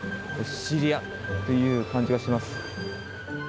シチリアという感じがします。